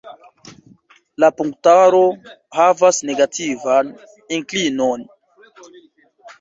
La punktaro havas negativan inklinon.